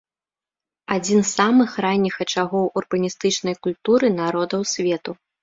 Адзін з самых ранніх ачагоў урбаністычнай культуры народаў свету.